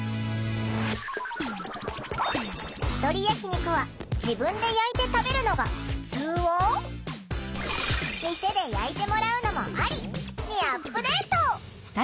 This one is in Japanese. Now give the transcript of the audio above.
「ひとり焼き肉は自分で焼いて食べるのがふつう」を「店で焼いてもらうのもアリ」にアップデート！